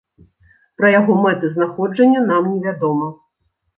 Пра яго мэты знаходжання нам не вядома.